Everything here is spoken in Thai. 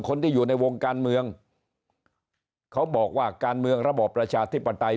คนที่อยู่ในวงการเมืองเขาบอกว่าการเมืองระบอบประชาธิปไตย